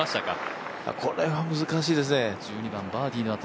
これは難しいですね。